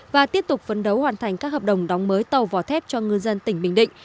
và tiếp tục phấn đấu hoàn thành các hợp đồng đóng mới tàu vỏ thép cho ngư dân tỉnh bình định